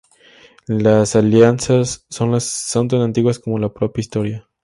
Las alianzas son tan antiguas como la propia historia.